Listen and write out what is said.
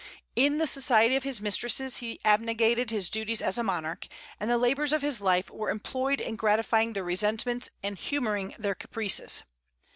In the society of his mistresses he abnegated his duties as a monarch, and the labors of his life were employed in gratifying their resentments and humoring their caprices.